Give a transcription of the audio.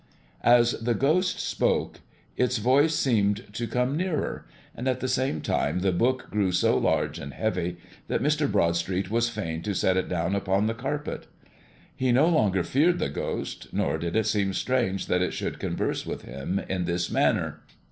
As the Ghost spoke, its voice seemed to come nearer, and at the same time the book grew so large and heavy that Mr. Broadstreet was fain to set it down upon the carpet. He no longer feared the Ghost, nor did it seem strange that it should converse with him in this manner.